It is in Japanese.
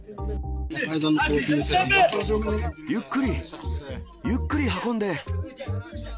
ゆっくり、ゆっくり運んで。